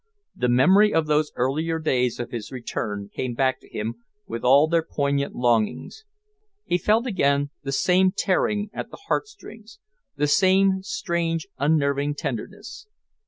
The memory of those earlier days of his return came back to him with all their poignant longings. He felt again the same tearing at the heart strings, the same strange, unnerving tenderness.